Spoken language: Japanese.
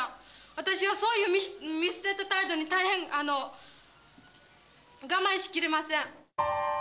私はそういう見捨てた態度に大変我慢しきれません。